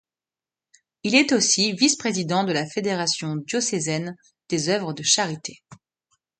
Il est aussi vice-président de la Fédération diocésaine des œuvres de charité.